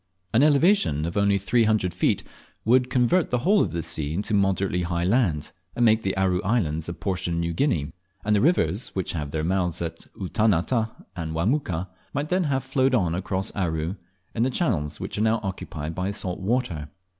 An elevation of only three hundred feet would convert the whole of this sea into moderately high land, and make the Aru Islands a portion of New Guinea; and the rivers which have their mouths at Utanata and Wamuka, might then have flowed on across Aru, in the channels which are now occupied by salt water.